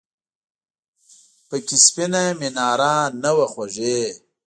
پکې سپینه میناره نه وه خوږې !